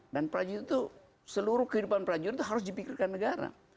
dan prajurit itu seluruh kehidupan prajurit itu harus dipikirkan negara